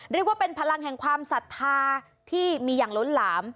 เรียกว่าเป็นพลังแห่งความศรัทธาที่มีอย่างล้นหลาม